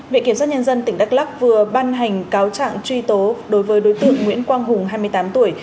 viện kiểm soát nhân dân tỉnh đắk lắc vừa ban hành cáo trạng truy tố đối với đối tượng nguyễn quang hùng hai mươi tám tuổi